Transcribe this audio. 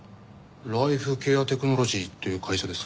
ライフケアテクノロジーっていう会社です。